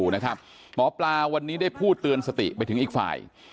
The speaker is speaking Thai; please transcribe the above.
หมอปลาวันนี้ได้พูดเตือนสติไปถึงอีกฝ่าย